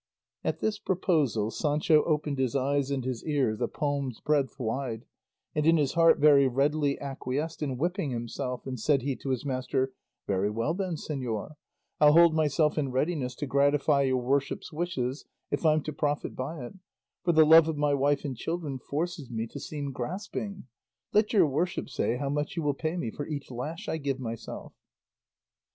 At this proposal Sancho opened his eyes and his ears a palm's breadth wide, and in his heart very readily acquiesced in whipping himself, and said he to his master, "Very well then, señor, I'll hold myself in readiness to gratify your worship's wishes if I'm to profit by it; for the love of my wife and children forces me to seem grasping. Let your worship say how much you will pay me for each lash I give myself."